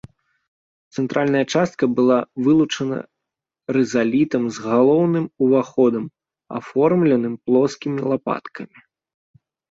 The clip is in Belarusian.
Цэнтральная частка была вылучана рызалітам з галоўным уваходам, аформленым плоскімі лапаткамі.